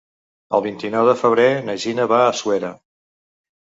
El vint-i-nou de febrer na Gina va a Suera.